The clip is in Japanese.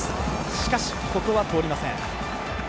しかし、ここは通りません。